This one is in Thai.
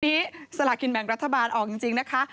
สลากินแบ่งรัฐบาลออกจริงนะคะ